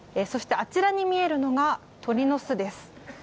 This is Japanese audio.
そして、あちらに見えるのが鳥の巣です。